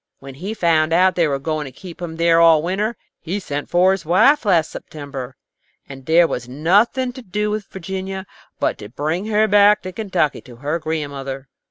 When he found they were going to keep him there all winter, he sent for his wife last September, and there was nothing to do with Virginia but to bring her back to Kentucky to her grandmother."